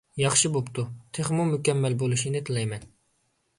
ياخشى بوپتۇ، تېخىمۇ مۇكەممەل بولۇشىنى تىلەيمەن!